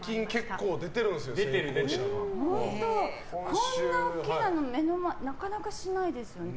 こんな大きなのを目の前ってなかなかないですよね。